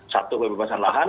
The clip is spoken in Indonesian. satu kebebasan lahan